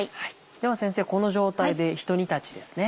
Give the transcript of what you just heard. では先生この状態でひと煮立ちですね。